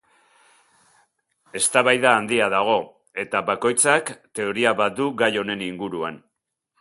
Eztabaida handia dago eta bakoitzak teoria bat du gai honen inguruan.